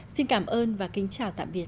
xin cảm ơn và kính chào tạm biệt